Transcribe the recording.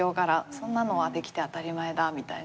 そんなのはできて当たり前だみたいな。